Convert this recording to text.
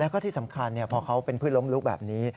แล้วก็ที่สำคัญพอเขาเป็นพืชล้มลุกแบบนี้